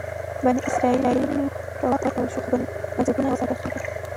بني اسرائیلو ته واک ورکړل شو خو بنسټونه وساتل شول.